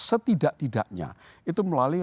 setidak tidaknya itu melalui